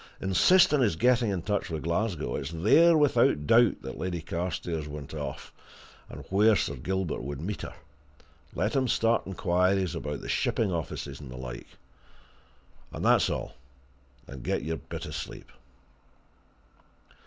Insist on his getting in touch with Glasgow it's there, without doubt, that Lady Carstairs went off, and where Sir Gilbert would meet her; let him start inquiries about the shipping offices and the like. And that's all and get your bit of sleep."